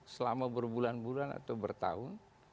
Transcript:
selama berbulan bulan atau bertahun